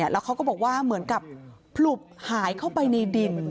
แล้วเขาก็บอกว่าเหมือนกับผลุบหายเข้าไปในดิน